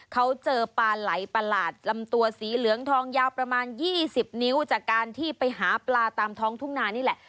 เขาเจอปลาไหลประหลาดลำตัวสีเหลืองทองยาวประมาณ๒๐นิ้วจากการที่ไปหาปลาตามท้องทุ่งนานี่แหละ